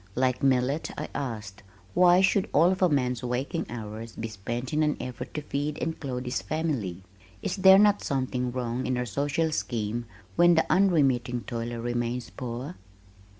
Like Millet, I asked, "Why should all of a man's waking hours be spent in an effort to feed and clothe his family? Is there not something wrong in our social scheme when the unremitting toiler remains poor?"